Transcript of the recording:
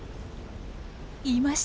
いました。